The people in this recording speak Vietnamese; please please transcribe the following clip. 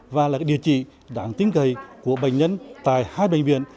và là địa chỉ đáng tin cậy của bệnh nhân tại hai bệnh viện